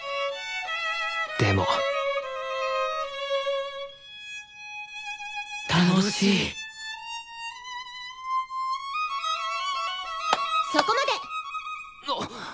でも楽しいそこまで！